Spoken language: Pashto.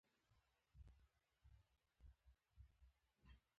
احمد؛ سارا تر سر ونيوله او ټول راز يې ورڅخه واخيست.